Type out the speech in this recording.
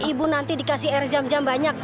ibu nanti dikasih air jam jam banyak